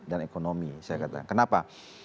dan ekonomi kenapa